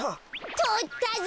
とったぞ！